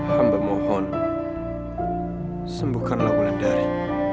hamba mohon sembuhkanlah wulandari